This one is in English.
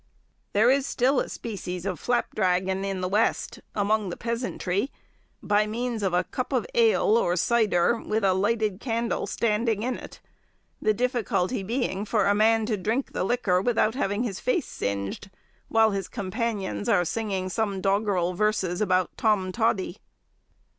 There is still a species of flapdragon in the west, among the peasantry, by means of a cup of ale or cyder with a lighted candle standing in it: the difficulty being for a man to drink the liquor, without having his face singed, while his companions are singing some doggrel verses about Tom Toddy.